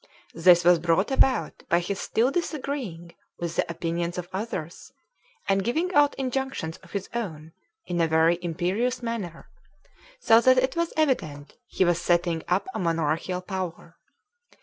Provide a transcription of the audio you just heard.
This was brought about by his still disagreeing with the opinions of others, and giving out injunctions of his own, in a very imperious manner; so that it was evident he was setting up a monarchical power.